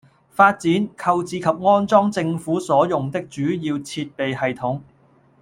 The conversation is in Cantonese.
發展、購置及安裝政府所用的主要設備系統